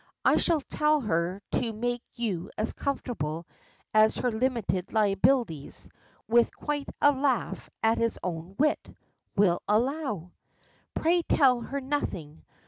I shall tell her to make you as comfortable as her 'limited liabilities,'" with quite a laugh at his own wit, "will allow." "Pray tell her nothing.